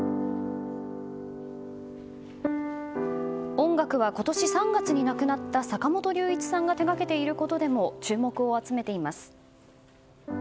音楽は今年３月に亡くなった坂本龍一さんが手がけていることでも注目を集めています。